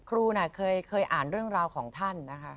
ครูเคยอ่านเรื่องราวของท่านนะคะ